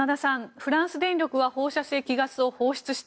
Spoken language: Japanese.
フランス電力は放射性希ガスを放出した。